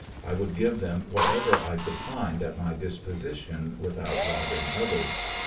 I would give them whatever I could find at my disposition without robbing others.